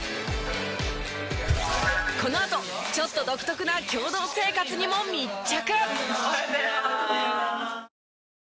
このあとちょっと独特な共同生活にも密着！